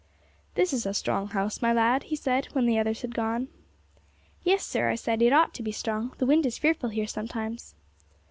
'This is a strong house, my lad,' he said, when the others had gone. 'Yes, sir,' I said, 'it ought to be strong; the wind is fearful here sometimes.'